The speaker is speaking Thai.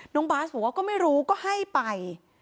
น้องบาสบอกว่าก็ไม่รู้ก็ให้ไป